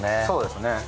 そうですね。